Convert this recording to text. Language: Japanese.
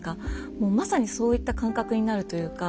もうまさにそういった感覚になるというか。